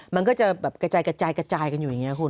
มันก็จะแบบกระจายกระจายกันอยู่อย่างนี้คุณ